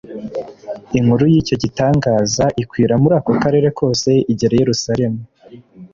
Inkuru y'icyo gitangaza ikwira muri ako karere kose igera i Yerusalemu.